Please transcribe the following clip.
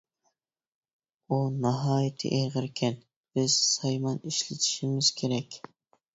-ئۇ ناھايىتى ئېغىركەن، بىز سايمان ئىشلىتىشىمىز كېرەك.